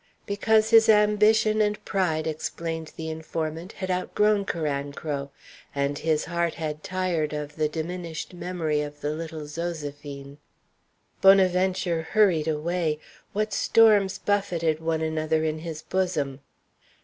Because his ambition and pride, explained the informant, had outgrown Carancro, and his heart had tired of the diminished memory of the little Zoséphine. Bonaventure hurried away. What storms buffeted one another in his bosom!